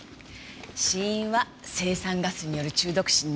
死因は青酸ガスによる中毒死に間違いない。